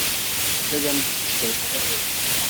Ad m-tt-tefk?